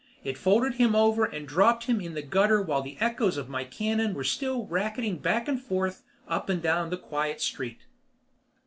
It folded him over and dropped him in the gutter while the echoes of my cannon were still racketing back and forth up and down the quiet street.